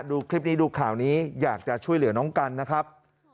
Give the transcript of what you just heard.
ดูคลิปนี้ดูข่าวนี้อยากจะช่วยเหลือน้องกันนะครับ